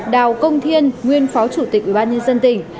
đào công thiên nguyên phó chủ tịch ủy ban nhân dân tỉnh